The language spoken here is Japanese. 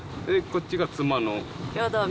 こっちが妻の。